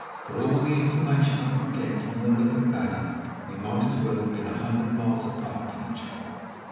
For all the information I could get from her look and manner, we might as well have been a hundred miles apart from each other.